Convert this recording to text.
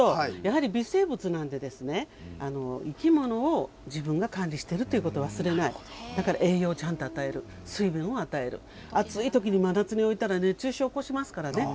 微生物なので生き物を自分が管理してるということを忘れない栄養をちゃんと与える水分を与える暑い時、真夏に置いたら熱中症を起こします。